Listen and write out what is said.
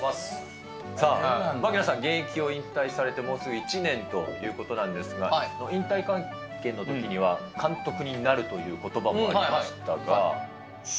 さあ、槙野さん、現役を引退されてもうすぐ１年ということなんですが、引退会見のときには監督になるということばもありましたが。